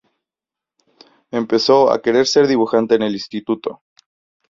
Empezó a querer ser dibujante en el instituto.